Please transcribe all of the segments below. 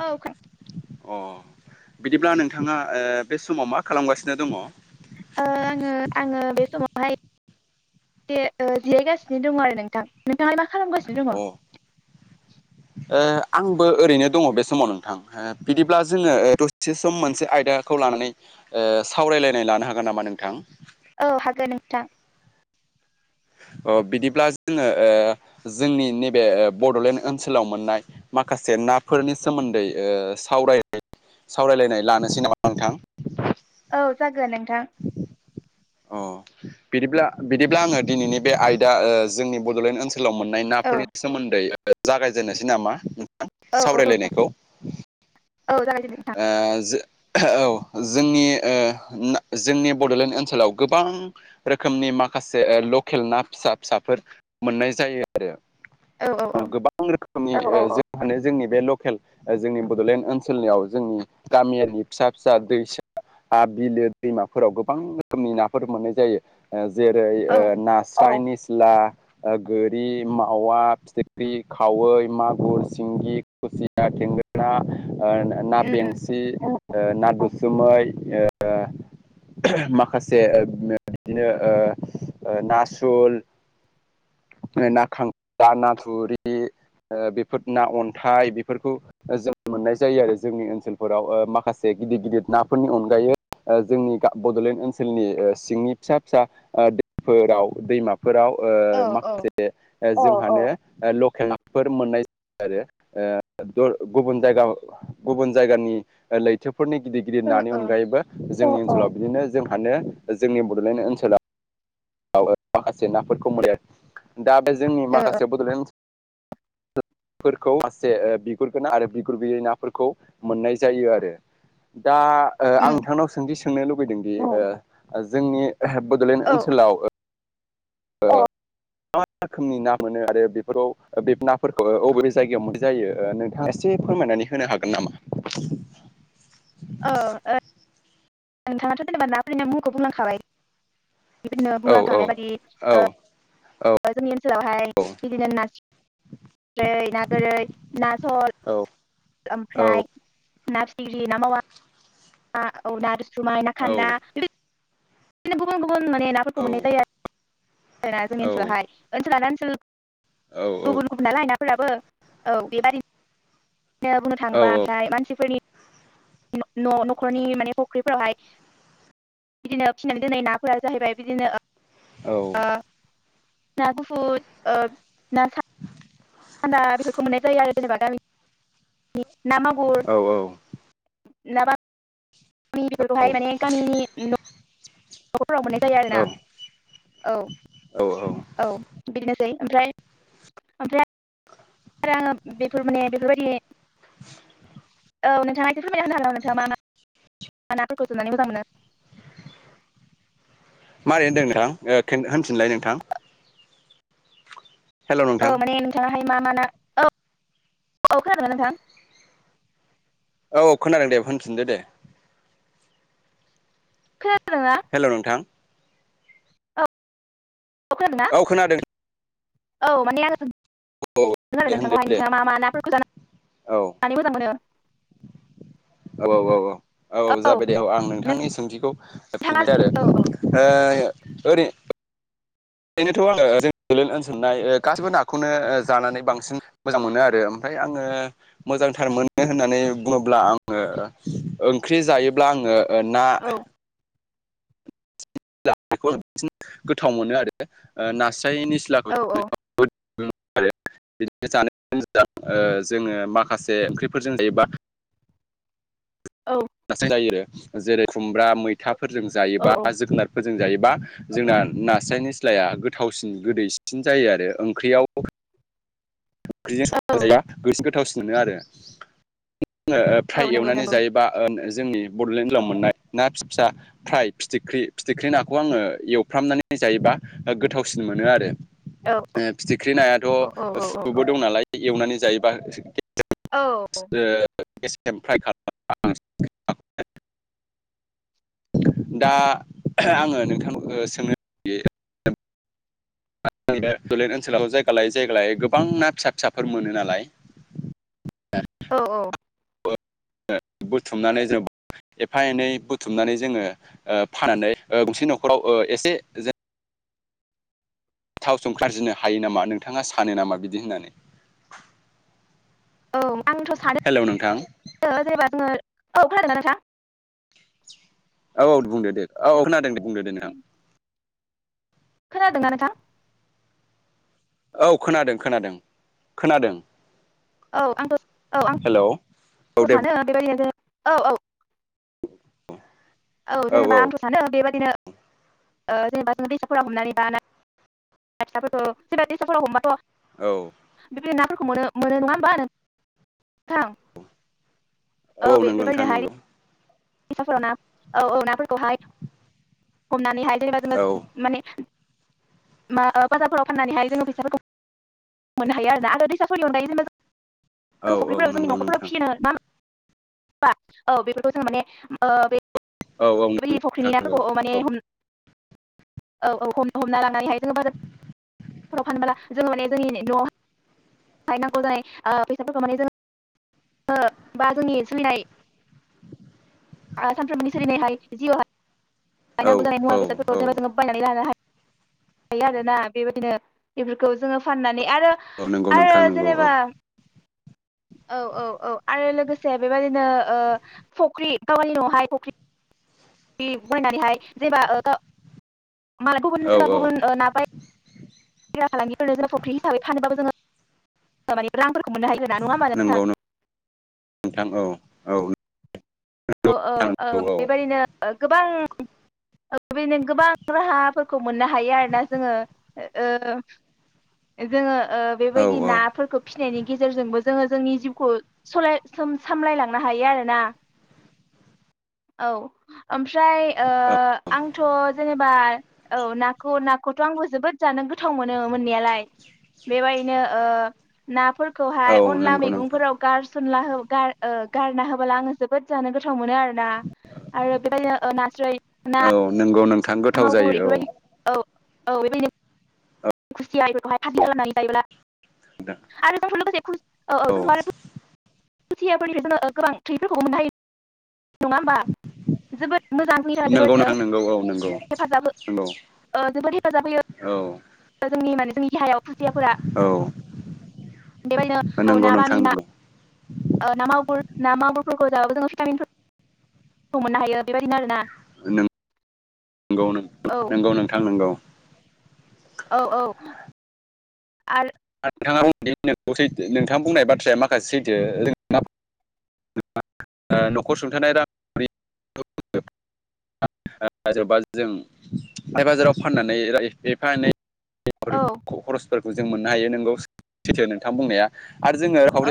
औ खोन अ बिदिब्ला नोंथाङा बे समाव मा खालामगासिनो दङ आङो आङो बे समावहाय जिरायगासिनो दङ आरो नोंथां नोंथाङाय मा खालामगासिनो हेलब ओ [inaudible] आंबो ओरैनो दङ बे समाव नोंथां बिदिब्ला जोङो दसे सम मोनसे आयदाखौ लानानै सावरायलायनाय लानो हागोन नामा नोंथां? औ हागोन नोंथां। बिदिब्ला जोङो जोंनि नैबे बड'लेण्ड ओनसोलाव मोननाय माखासे नाफोरनि सोमोन्दै सावराय सावरायलायनाय लानोसै नामा नोंथां? औ जागोन नों। अ बिदिब्ला बिदिब्ला आङो दिनैनि बे आयदा जोंनि बड'लेण्ड ओनसोल हेलाव मोननाय औ नाफोरनि सोमोन्दै जागायजेननोसै नामा? औ औ नोंथां। सावरायलायनायखौ औ जागायदो नोंथां ओ जो औ जोंनि ओ जोंनि बडलेण्ड ओनसोलाव गोबां रोखोमनि माख खासे लकेल ना फिसा फिसाफोर मोननाय जायो आरो औ औ औ। जों मानो जोंनि बे लकेल जोंनि बडलेण्ड ओनसोलनियाव जोंनि गामियारिनि फिसा फिसा दैसा आ बिलो दैमाफोराव गोबां रोखोमनि नाफोर मोननाय जायो। जेरै ओ औ नास्रायनि फुला गोरि मावा फिथिख्रि खावै मागुर सिंगि खुसिया, थेंगोना ओ उम उम बेंसि ओ ना दसुमै ओ माखासे बिदिनो ओ नासुल ना खांख्रा नाथुरि ओ बेफोर ना अन्थाइ बेफोरखौ जों मोननाय जायो आरो जोंनि ओनोल ओनसोलफोराव ओ माखासे गिदिर गिदिर नाफोरनि अनगायै ओ जोंनि बड लेण्ड ओनसोलनि सिंनि फिसा फिसा दैफोराव दैमा फोराव ओ औ औ माखासे जोंहानो ओ लकेल नाफोर मोननाय जायो आरो [unintelligible] गुबुन जायगानि लैथोफोरनि गिदिर गिदिर ओ नानि ओ अनगायैबो जोंनि ओनसोलाव बिदिनो जोंहानो जोंनि बडलेण्ड ओनसोलाव आव माखासे नाफोरखौ मोनै दा बे जोंनि ओ माखासे बडलेण्ड फोरखौ मासे बिगुरगोनां आरो बिगुर गैयै नाफोरखौ मोननाय जायो आरो। दा आं उम नोंथांनाव सोंथि सोंनो लुबैदोंदिओ जोंनि बडलेण्ड औ ओ ओनसोल [unintelligible] रोखनि ना मोनो आरो बेफोराव बे नाफोरखौ बबे जायगायाव मोन जायो नोंथाङा एसे फोरमायनानै होनो हागोन नामा? औ। नोंथाङाथ‌ जेनेबा ना फोरनि मुंखौ बुंलांखाबाय बेबायदिनो औ औ बुंलांखानाय बायदि औ ओ ओ जोंनि ओनसोलावहाय बिदिनो [unintelligible] ना गोरै [unintelligible] सल औ औ ओमफ्राय ना फिथिग्रि ना मावा औ ना दुसुमाय ना औ खान्दा बिदिनो गुबुन गुबुन माने नाफोरखौ मोननाय जायो आरो। जोना जोंनि औ ओनसोलावहाय ओनसोलानो सोल गुबुन गुबुन नालाय‌ नाफोराबो औ बेबादि [unintelligible] बुंनो थाङोबा ओमफ्राय मानसिफोरनि न‌ न खरनि माने फख्रिफ्रावहाय बिदिनो फिसिनानै दोननाय नाफोरा जाहैबाय बिदिनो ओ ना गुफुर ओ ना [unintelligible] न्दा बेफोरखौ मोननाय जायो आरो जेनेबा गामिनि ना मागुर ना बामि औ बेफोरखौहाय माने गामिनि नखरफोराव मोननाय जायो आरोना औ औ बेनोसै ओमफ्राय ओमफ्राय आरो आङो बेफोर माने बेफोरबायदि औ नोंथाङा एसे फोरमायना होनो हागोन ना नोंथाङा मा ना? ना फोरखौ जानानै मोजां मोनो माबोरै होनदों नोंथां ओ खोन होनफिनलाय नोंथां हेल' औ नोंथां माने नोंथाङाहाय मा मा ना औ औ खोनादोंना नोंथां? औ खोनादों दे होनफिनदो दे खोनादोंना हेल' नोंथां। औ खोनादोंना औ खोनादों। औ माने आं औ दे होनदो दे औ [unintelligible] औ औ औ। औ जाबाय दे औ आं नोंथांनि सोंथिखौ नोंथाङा फिनसै औ औ [unintelligible] ओरैनोथ' आङो जोंनि बड'लेण्ड ओनसोलनि गासिबो नाखौनो जानानै बांसिन मोजां मोनो आरो ओमफाय फाय आङो मोजांथार मोनो होननानै बुङोब्ला आङो ओंख्रि जायोब्ला आङो ओ ना। औ [unintelligible] नास्राइ निसलाखौ औ [unintelligible] बिदिनो जानाय मोजां ओ जोङो माखासे ओंख्रिफोरजों जायोबा औ जायो आरो जेरै खुमब्रा मैथाफोरजों औ जायोबा जोगोनारफोरजों जों जायोबा जोंना नास्राय निस्लाया गोथावसिन गोदैसिन जायो आरो ओंख्रियाव ओंख्रिजों औ संनानै जायोब्ला गोथावसिन मोनो आरो। जोङो फ्राय औ नंगौ एवनानै नंगौ जायोबा ओ जोंनि बड'लेण्ड ओनसोलाव मोननाय ना फिसा फिसा फ्राय फिथिख्रि फिथिख्रि नाखौ आङो एवफ्रामनानै जायोबा गोथावसिन मोनो आरो औ ओ फिथिख्रि नायाथ' औ औ औ सु सुबो दं नालाय एवनानै जायोबा औ गेस्रेम फ्राइ खालामना जाबा बांसिन मोजां मोनो। दा आङो नोंथां सोंनो [unintelligible] बे बड'लेण्ड ओनसोलाव जायगा लायै जायगा लायै गोबां ना फिसा फिसाफोर मोनो नालाय। औ औ। [unintelligible] बुथुमनानै जों एफा एनै बुथुमनानै जोङो ओ फाननानै ओ गंसे न'खर न'खराव ओ एसे जों गोथाव सोम खारजिनो हायो नामा नोंथाङा सानो नामा बिदि होननानै औ आंथ' सानो हेलौ नोंथां जेनेबा जोङो औ खोनादोंना नोंथां। औ औ बुंदो दे औ औ खोनादों दे बुंदो दे नोंथां। खोनादोंना नोंथां। औ खोनादों खोनादों खोनादों। औ आंथ' औ आं हेलौ औ दे सानो बेबायदिया औ औ। औ जेनेबा आंथ' सानो बेबायदिनो ओ जेनेबा जों [unintelligible] [unintelligible] औ बेबायदि नाफोरखौ मोनो मोनो नङा होमबा [unintelligible] औ बे नंगौ थां बेबायदिनोहाय नोंगौ। [unintelligible] औ मा बाजारफोराव फाननानै हायो जोङो फैसाफोरखौ औ औ नंगौ नोंथां [unintelligible] औ बेफोरखौ जों माने ओ बे औ औ नंगौ फख्रिनि नोंथां नंगौ नाफोरखौ औ माने [unintelligible] [unintelligible] ओ बा जोंनि सोलिनाय आं सानफ्रोमबोनि सलिनायहाय जिउ औ औ [unintelligible] [unintelligible] थां नंगौ औ। जेनेबा [inaudible] औ औ औ आरो लोगोसे बेबादिनो ओ फख्रि गावानि न'आवहाय फख्रि औ औ [unintelligible] [unintelligible] मोननो हायगोना नङा नंगौ होमा नोंथां औ औ औ औ नोंथां नंगौ औ बेबायदिनो गोबां बेनो गोबां राहाफोरखौ मोननो हायो आरोना जोङो ओ जोङो ओ बेबायदि औ नाफोरखौ फि फिनायनि गेजेरजोंबो जोङो जोंनि जिउखौ सलाय सामलायलांनो हायो आरोना औ ओमफ्राय ओ आं थ' जेनेबा औ नाखौ नाखौथ' आंबो जोबोद जानो गोथाव मोनो मोननायालाय बेबायदिनो ओ नाफोर औ खौहाय अनला नंगौ नोंथां मैगंफोराव गारसनला होब गार ओ गारना होबला आङो जोबोद जानो गोथाव मोनो आरो [unintelligible] औ नंगौ नोंथां गोथाव मागुर जायो औ बेफोरबायदि औ औ बेबायदि खुसिया बेफोरखौहाय खादि खालामनानै जायोब्ला आरो बे लोगोसे औ औ [unintelligible] नंगौ नोंथां नंगौ औ [unintelligible] नंगौ हेफाजाब हो नंगौ ओ जोबोद हेफाजाब होयो औ जोंनि माने जोंनि देहायाव खुसियाफोरा औ नंगौ [unintelligible] नोंथां नंगौ ओ ना मागुर ना मागुरफोरखौ जाबो जोङो भिटामिनफोरखौ मोननो हायो बेबायदिनो आरोना औ [unintelligible] औ औ आर [unintelligible] [unintelligible] [inaudible] [unintelligible] औ खरसफोरखौ जों मोननो हायो नोंगौ सैथि नोंथां बुंनाया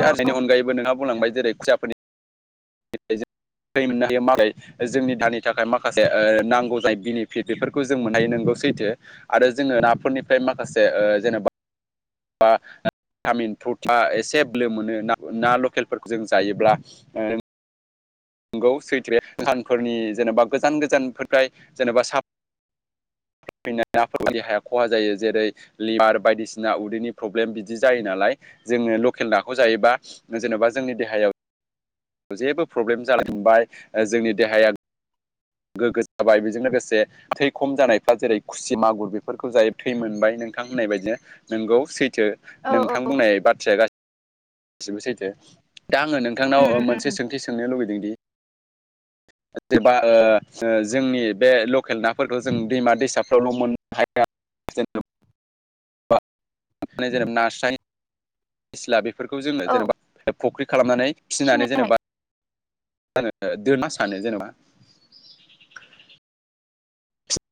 औ [unintelligible] सैथो आरो जोङो नाफोरनिफ्राय माखासे ओ जेनेबा बा ओ भिटामिन फ्रुथा एसे बोलो मोनो ना लकेलफोरखौ जों जायोब्ला ओं नंगौ सैथ्रो सानफोरनि जेनेबा गोजान गोजानफोरफ्राय जेनेबा सा फैनाय नाफोरफोरखौ देहाया खहा जायो जेरै लिभार बायदिसिना उदैनि प्रब्लेम बिदि जायो नाल लाय जोङो लकेल नाखौ जायोबा जेन'बा जोंनि देहायाव जेबो प्रब्लेम जालांखांबाय जोंनि देहाया गोग्गो जाबाय बेजों लोगोसे थै खम जानायफ्रा जेरै खुसि मागुर बेफोरखौ जायो थै मोनबाय। नोंथां होननाय बायदिनो नोंगौ सैथै। औ नोंथां औ बुंनाय बाथ्राया गासिबो सैथो दा आङो नोंथांनाव उम उम उम मोनसे सोंथि सोंनो लुबैदोंदि जाबा ओ जोंनि बे लकेल नाफोरखौ जों दैमा दैसाफ्रावल' मोननो हाया [unintelligible] जेरै नास्राइ निस्ला बेफोरखौ जोङो औ जेनेबा फुख्रि खालामनानै फिसिनानै फिसिनोहाय जेनेबा [unintelligible] दुइ मा सानो जेनेबा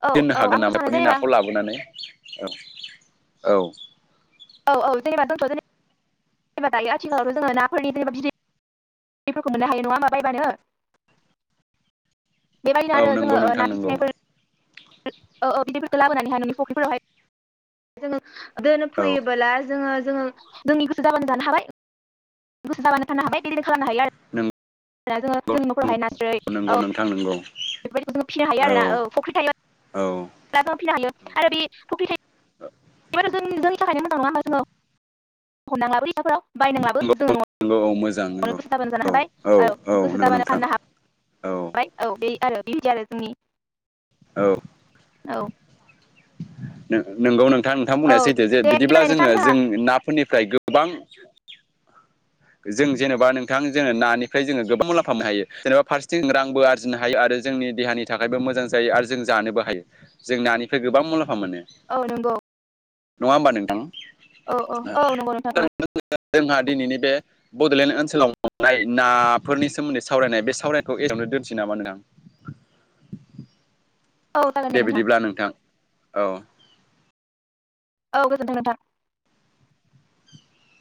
औ दोननो औ हागोन आंथ' नामा सानो बेफोरनि जेनेबा नाखौ लाबोनानै औव औव। औव औव [unintelligible] द माथ बायो आथिखालाव जोङो नाफोरनि दैफोरखौ मोननो हायो नङा होनबा बायबानो बेबायदिनो औ आरो नंगौ जोङो ओ नोंथां ना नंगौ फिसिनायखौ औ औ बिदिफोरखौ लाबोनानैहाय न'नि फुख्रिफोरावहाय जोङो दोनो औ फैयोबोला जोङो जोङो जोंनि गोसो जाबानो जानो हाबाय। गोसो जाबानो थानो हाबाय बिदि खालामानो हायो आरो जोङो जोंनि नंगौ न'खरावहाय नास्रै नंगौ औ नोंथां नंगौ बेबायदिखौ फिसिनो हायो आरोना औ फुख्रि थायो औ ब्ला फिनो हायो आरो बि फुख्रि [unintelligible] बायनांलाबो जोङो नंगौ नंगौ औ न'आव मोजां नो नंगौ गोसो जाबानो जानो औ हाबाय औ गोसो नंगौ जाबानो नोंथां फाननो औ हाबाय औ बे आरो बेबादि [unintelligible] औ औ नोंगौ नों नोंथां नोंथां औ बुंनाया सैथो जे दे बिदिब्ला बिदिबालाय नोंथां जोङो जोंहा जों नाफोरनिफ्राय गोबां जों जेनेबा नोंथां जोङो नानिफ्राय जोङो गोबां मुलामफा मोननो हायो जेनेबा फारसेथिं जों रांबो आरजिनो हायो आरो जोंनि देहानि थाखायबो मोजां जायो आरो जों जानोबो हायो जों नानिफ्राय गोबां मुला म्फा मोनो औ नंगौ नङा होनबा नोंथां। औ औ औ नंगौ नोंथां औ जोंहा दिनैनि बे बड'लेण्ड ओनसोलाव मोननाय नाफोरनि सोमोन्दै सावरायनाय बे सावरायखौ एसेयावनो दोनसै नामा नोंथां। [inaudible] [inaudible] दे बिदिब्ला नोंथां औ औ गोजोन्थों नोंथां।